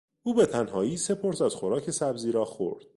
او به تنهایی سه پرس از خوراک سبزی را خورد.